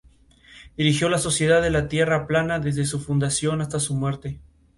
Relator en las transmisiones del Futbol Argentino, Superliga.